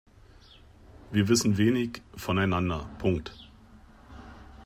Wir wissen wenig voneinander.